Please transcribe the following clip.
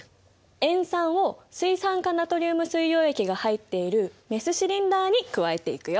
塩酸を水酸化ナトリウム水溶液が入っているメスシリンダーに加えていくよ。